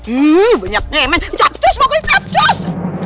ih banyaknya emen cepcus mau gue cepcus